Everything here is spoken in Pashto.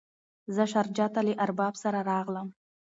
زه شارجه ته له ارباب سره راغلم.